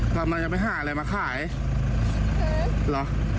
กลับมายังไม่ห้าเลยมาขายหรอ